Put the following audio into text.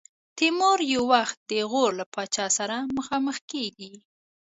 تیمور یو وخت د غور له پاچا سره مخامخ کېږي.